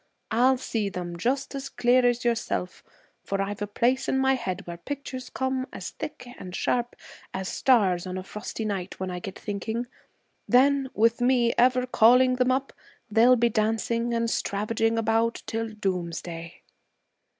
I'll see them just as clear as yourself, for I've a place in my head where pictures come as thick and sharp as stars on a frosty night, when I get thinking. Then, with me ever calling them up, they'll be dancing and stravaging about till doomsday.'